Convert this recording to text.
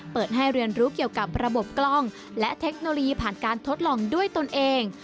เปิดให้เรียนรู้เกี่ยวกับระบบกล้องและเทคโนโลยีผ่านการทดลองด้วยตนเอง